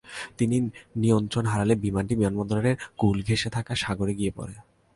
কিন্তু তিনি নিয়ন্ত্রণ হারালে বিমানটি বিমানবন্দরের কূল ঘেঁষে থাকা সাগরে গিয়ে পড়ে।